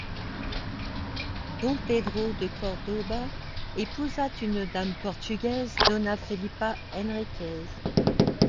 Don Pedro de Córdoba épousa une dame portugaise, doña Felipa Enríquez.